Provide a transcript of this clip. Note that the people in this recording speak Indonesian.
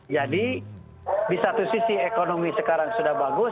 jadi di satu sisi ekonomi sekarang sudah bagus